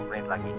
oke oke siap pak